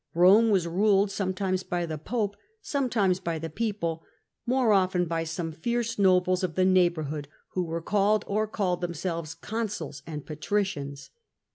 Rome was ruled sometimes by the pope, sometimes by the people, more often by some fierce nobles of the neighbourhood, who were called, or called themselves, consuls and patricians.